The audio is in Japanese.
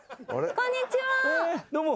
こんにちは。